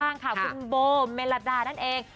มากค่ะคุณโบอล์เมลดานั่นเอง